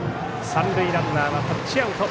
三塁ランナーはタッチアウト。